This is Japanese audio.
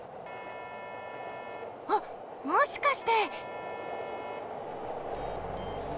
あっもしかして！